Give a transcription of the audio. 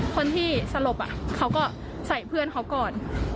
คนที่สลบเขาก็ใส่เพื่อนเขาก่อน